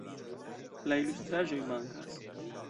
La ilustraĵoj mankas.